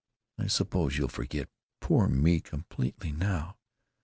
I suppose you'll forget poor me completely, now!"